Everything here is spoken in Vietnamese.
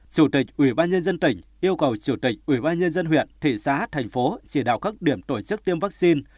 chủ tịch ủy ban nhân dân tỉnh yêu cầu chủ tịch ủy ban nhân dân huyện thị xã thành phố chỉ đạo các điểm tổ chức tiêm vaccine